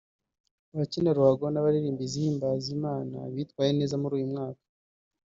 abakina ruhago n’abaririmba izihimbaza Imana bitwaye neza muri uyu mwaka